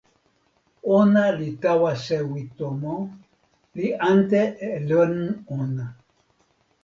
ona li tawa sewi tomo, li ante e len ona.